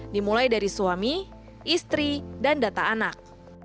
dimulai dari suami istri dan data anak